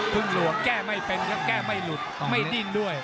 หลวงแก้ไม่เป็นครับแก้ไม่หลุดไม่ดิ้นด้วย